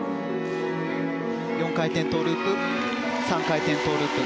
４回転トウループ３回転トウループ。